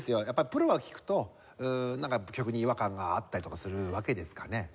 やっぱプロが聴くとなんか曲に違和感があったりとかするわけですかね？